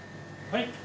はい。